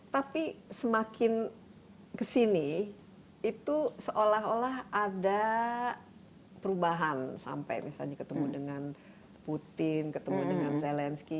tapi semakin kesini itu seolah olah ada perubahan sampai misalnya ketemu dengan putin ketemu dengan zelensky